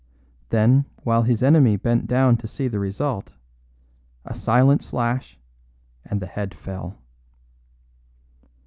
Then, while his enemy bent down to see the result, a silent slash, and the head fell."